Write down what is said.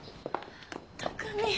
拓海。